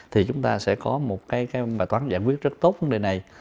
thì chúng ta sẽ có một cái bài toán giải quyết rất tốt vấn đề này